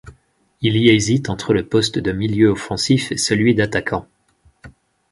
Il y hésite entre le poste de milieu offensif et celui d'attaquant.